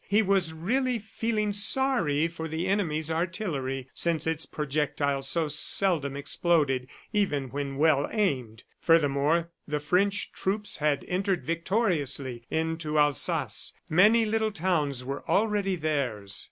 He was really feeling sorry for the enemy's artillery since its projectiles so seldom exploded even when well aimed. ... Furthermore, the French troops had entered victoriously into Alsace; many little towns were already theirs.